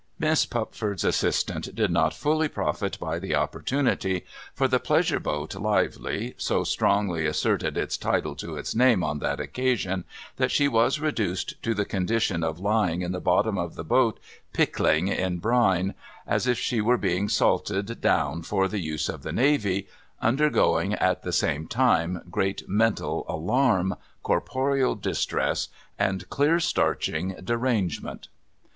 Miss Pupford's assistant did not fully profit by the opportunity ; for the pleasure boat. Lively, so strongly asserted its title to its name on that occasion, that she was reduced to the condition of lying in the bottom of the boat pickling in brine 266 TOM TIDDLER'S GROUND ■— as if she were being salted down for the use of the Navy — under going at the same time great mental alarm, corporeal distress, and clear starching derangement.